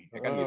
ya kan gitu